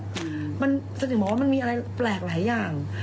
มันจะถึงบอกว่ามันมีอะไรแปลกหลายอย่าง